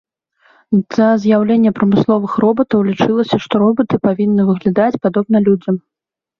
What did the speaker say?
Да з'яўлення прамысловых робатаў лічылася, што робаты павінны выглядаць падобна людзям.